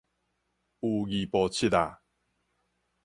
有二步七仔